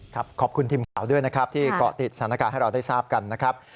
ขอบคุณทีมข่าวด้วยนะครับที่เกาะติดสถานการณ์ให้เราได้ทราบกันนะครับ